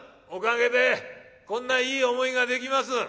おかげでこんないい思いができます。